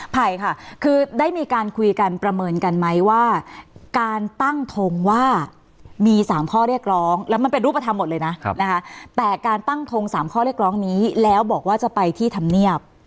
ภัยค่ะคือได้มีการคุยกันประเมินกันไหมว่าการตั้งทงว่ามี๓ข้อเรียกร้องแล้วมันเป็นรูปธรรมหมดเลยนะนะคะแต่การตั้งทง๓ข้อเรียกร้องนี้แล้วบอกว่าจะไปที่ธรรมเนียบ